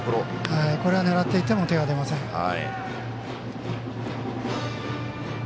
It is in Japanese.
これは狙っていっても手が出ません。